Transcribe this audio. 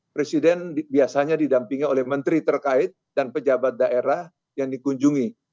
presiden biasanya didampingi oleh menteri terkait dan pejabat daerah yang dikunjungi